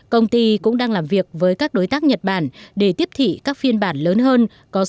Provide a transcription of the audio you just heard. công ty cũng đang làm việc với các đối tác nhật bản để tiếp thị các phiên bản lớn hơn